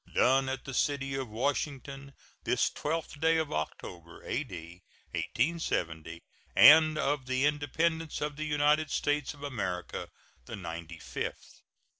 [SEAL.] Done at the city of Washington, this 12th day of October, A.D. 1870, and of the Independence of the United States of America the ninety fifth.